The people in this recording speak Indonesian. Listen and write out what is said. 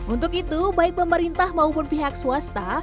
untuk itu baik pemerintah maupun pihak swasta